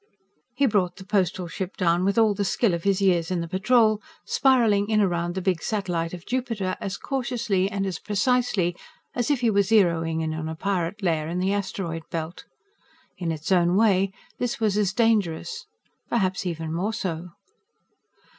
_He brought the Postal Ship down with all the skill of his years in the Patrol, spiralling in around the big satellite of Jupiter as cautiously and as precisely as if he were zeroing in on a pirate lair in the asteroid belt. In its own way, this was as dangerous, perhaps even more so.